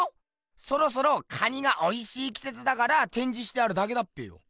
そろそろ蟹がおいしいきせつだからてんじしてあるだけだっぺよ。